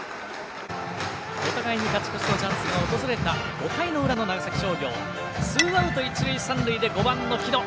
お互いに勝ち越しのチャンスが訪れた５回の裏の長崎商業ツーアウト一塁三塁で５番の城戸。